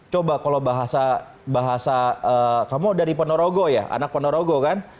coba kalau bahasa kamu dari ponorogo ya anak ponorogo kan